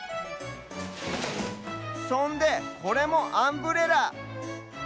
そんでこれもアンブレラ！